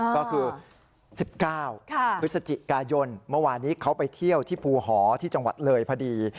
ก็คือ๑๙พฤศจิกายนเมื่อวานนี้เขาไปเที่ยวที่ภูหอที่จังหวัดเลยพอดี